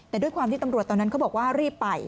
แต่ด้วยความที่ตำรวจตอนนั้นเขาบอกว่ารีบไป